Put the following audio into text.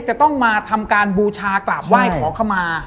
จะต้องมาทำการบูชากราบไหว้ขอเข้ามา